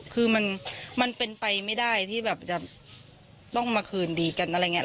คือมันเป็นไปไม่ได้ที่แบบจะต้องมาคืนดีกันอะไรอย่างนี้